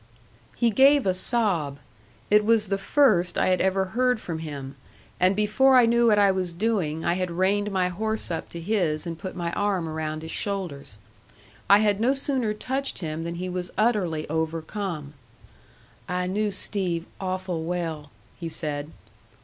He gave a sob. It was the first I had ever heard from him, and before I knew what I was doing I had reined my horse up to his and put my arm around his shoulders. I had no sooner touched him than he was utterly overcome. "I knew Steve awful well," he said.